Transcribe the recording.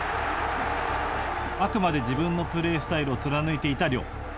あくまで自分のプレースタイルを貫いていた亮。